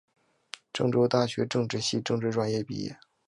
郑州大学政治系政治专业毕业。